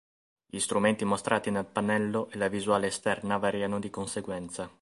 Gli strumenti mostrati nel pannello e la visuale esterna variano di conseguenza.